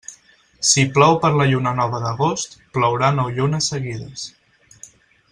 Si plou per la lluna nova d'agost, plourà nou llunes seguides.